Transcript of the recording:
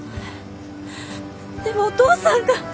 でもお父さんが。